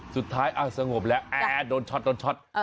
สุดท้ายสงบแล้วโดนช็อต